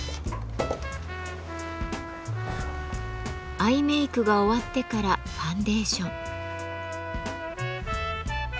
アイメークが終わってからファンデーション。